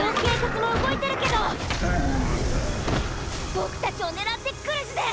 ボクたちを狙ってくるしで！